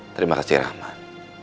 terima kasih rahman